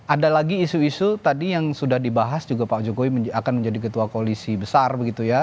ada lagi isu isu tadi yang sudah dibahas juga pak jokowi akan menjadi ketua koalisi besar begitu ya